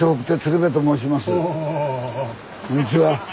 こんにちは。